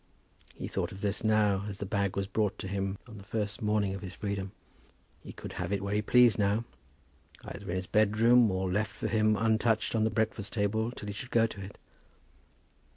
He thought of this now as the bag was brought to him on the first morning of his freedom. He could have it where he pleased now; either in his bedroom or left for him untouched on the breakfast table till he should go to it.